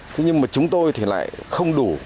thế nhưng mà chúng tôi thì lại không đủ